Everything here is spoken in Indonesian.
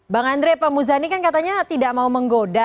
bang andre pak muzani kan katanya tidak mau menggoda